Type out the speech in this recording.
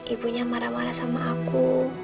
ibunya marah marah sama aku